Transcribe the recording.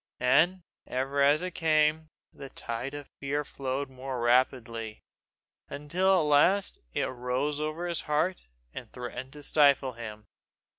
And ever as it came, the tide of fear flowed more rapidly, until at last it rose over his heart, and threatened to stifle him.